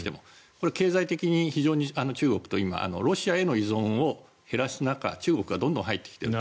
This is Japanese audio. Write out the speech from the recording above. これ、経済的に非常に中国とロシアへの依存を減らす中中国がどんどん入ってきている。